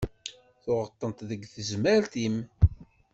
Tuɣeḍ-tent deg tezmert-im.